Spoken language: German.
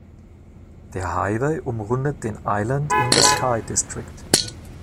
Der Highway umrundet den "Island in the Sky District".